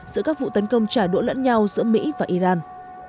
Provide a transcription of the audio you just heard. giữa các vụ tấn công trả đũa lẫn nhau giữa mỹ và iran